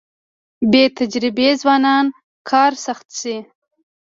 بې تجربې ځوانان کار سخت شي.